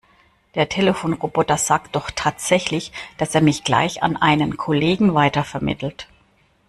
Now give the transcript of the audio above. Der Telefonroboter sagt doch tatsächlich, dass er mich gleich an einen Kollegen weitervermittelt.